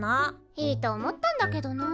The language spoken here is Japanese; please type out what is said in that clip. いいと思ったんだけどな。